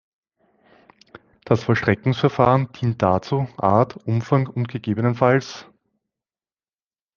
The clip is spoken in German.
Das Vollstreckungsverfahren dient dazu, Art, Umfang und ggf.